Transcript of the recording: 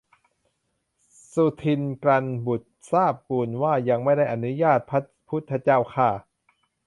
สุทินน์กลันทบุตรกราบทูลว่า ยังไม่ได้อนุญาต พระพุทธเจ้าข้า